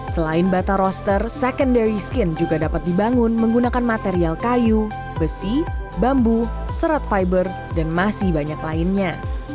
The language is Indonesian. selain bata roster secondary skin juga dapat dibangun menggunakan material kayu besi bambu serat fiber dan masih banyak lainnya